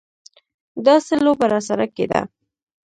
دا څه لوبه راسره کېده.